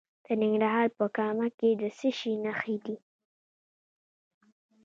د ننګرهار په کامه کې د څه شي نښې دي؟